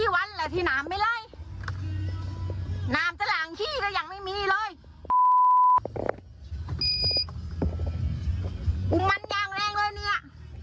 มันอย่างแรงเลยเนี่ย